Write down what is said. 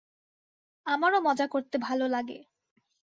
আমারো মজা করতে ভালো লাগে।